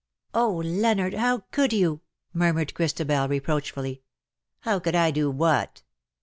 " Oh, Leonard ! how could you T' murmured Christabel, reproachfully. " How could I do what